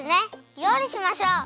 りょうりしましょう！